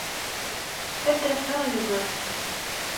Ad d-afeɣ Yugurten.